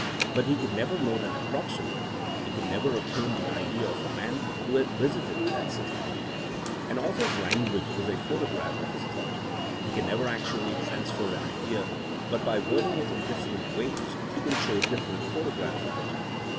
But he could never more than approximate ; he could never obtain the idea of a man who had visited that city. An author ^s language is a photograph of his thought. He can never actually transfer an idea, but by wording it in different ways he can show different photographs of it.